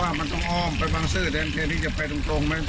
ไม่เห็นมีอะไรขึ้นหน้าเลย